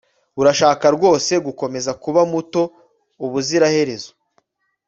Urashaka rwose gukomeza kuba muto ubuziraherezo